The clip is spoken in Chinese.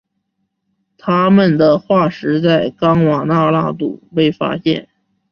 它们的化石在冈瓦纳大陆被发现。